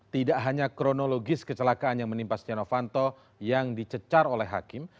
tidak hanya kronologis kecelakaan yang menimpa stiano fanto yang dicecar oleh hakim